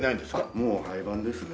もう廃番ですね。